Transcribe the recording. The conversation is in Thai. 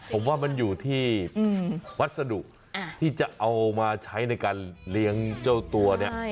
ผมว่ามันอยู่ที่วัสดุที่จะเอามาใช้ในการเลี้ยงเจ้าตัวเนี่ย